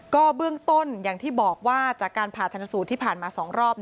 ก็เบื้องต้นอย่างที่บอกว่าจากการผ่าชนสูตรที่ผ่านมา๒รอบ